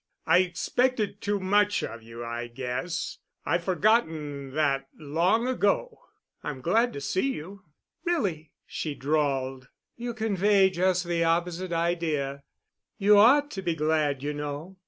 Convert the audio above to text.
I expected too much of you, I guess. I've forgotten that long ago. I'm glad to see you." "Really?" she drawled. "You convey just the opposite idea. You ought to be glad, you know.